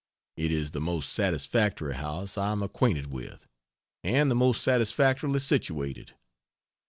It is the most satisfactory house I am acquainted with, and the most satisfactorily situated.